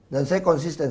dan saya konsisten